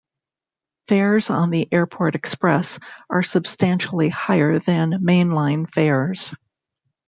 Fares on the Airport Express are substantially higher than main line fares.